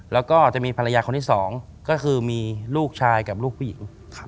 แล้วก็จะมีภรรยาคนที่สองก็คือมีลูกชายกับลูกผู้หญิง